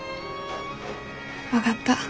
分かった。